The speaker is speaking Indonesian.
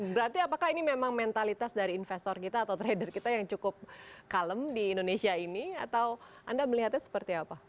berarti apakah ini memang mentalitas dari investor kita atau trader kita yang cukup kalem di indonesia ini atau anda melihatnya seperti apa